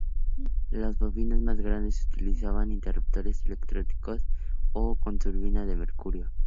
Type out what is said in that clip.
Las bobinas más grandes utilizaban interruptores electrolíticos o de turbina de mercurio.